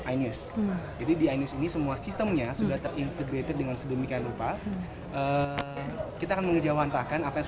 indonesia yang sebenar benarnya